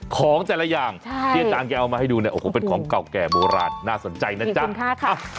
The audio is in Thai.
ของแต่ละอย่างที่อาจารย์แกเอามาให้ดูเนี่ยโอ้โหเป็นของเก่าแก่โบราณน่าสนใจนะจ๊ะ